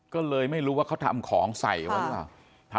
ก็เลยไม่รู้ว่าเขาทำของใส่ไว้หรือเปล่า